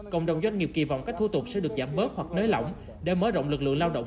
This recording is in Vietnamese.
cộng đồng doanh nghiệp kỳ vọng các thu tục sẽ được giảm bớt hoặc nới lỏng để mở rộng lực lượng lao động